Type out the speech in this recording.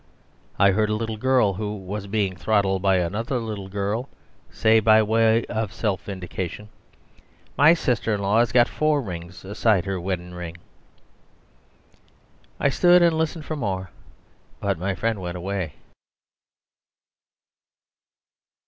I heard a little girl (who was being throttled by another little girl) say by way of self vindication, "My sister in law 'as got four rings aside her weddin' ring!" I stood and listened for more, but my friend went away.